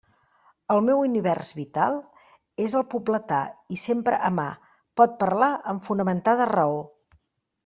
El meu univers vital, que és el pobletà i sempre a mà, pot parlar amb fonamentada raó.